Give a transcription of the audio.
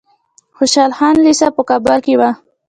خوشحال خان لیسه په کابل کې وه.